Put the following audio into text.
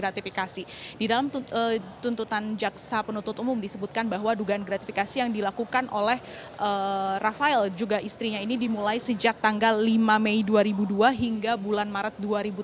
jadi ini juga bisa di dalam tuntutan jaksa penuntut umum disebutkan bahwa dugaan gratifikasi yang dilakukan oleh rafael juga istrinya ini dimulai sejak tanggal lima mei dua ribu dua hingga bulan maret dua ribu tiga belas